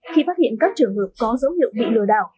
khi phát hiện các trường hợp có dấu hiệu bị lừa đảo